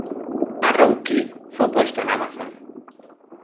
Arrow Key", fue puesto en Amazon.